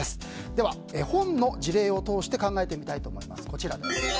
では本の事例を通して考えてみたいと思います。